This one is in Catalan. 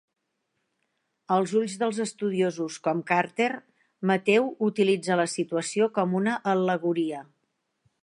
Als ulls dels estudiosos, com Carter, Mateu utilitza la situació com una al·legoria.